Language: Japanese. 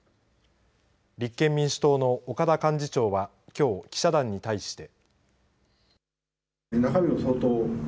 立憲民主党の岡田幹事長はきょう、記者団に対して。